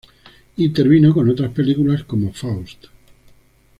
Intervino en otras películas cómo “Faust.